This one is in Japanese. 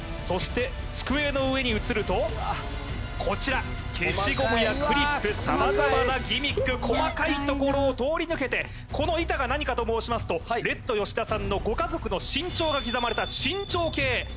そして机の上に移るとこちら消しゴムやクリップ様々なギミック細かいところを通り抜けてこの板が何かと申しますとレッド吉田さんのご家族の身長が刻まれた身長計